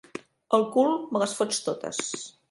Al cul me les fots totes.